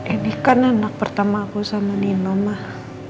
ini kan anak pertama aku sama nino mah